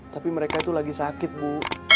tapi mereka itu lagi sakit bu